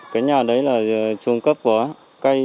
cái nhà đấy là trùng cấp của cây